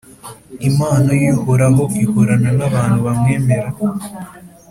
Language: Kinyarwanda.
Impano y’Uhoraho ihorana n’abantu bamwemera,